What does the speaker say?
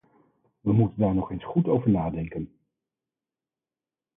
We moeten daar nog eens goed over nadenken.